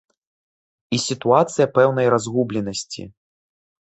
І сітуацыя пэўнай разгубленасці.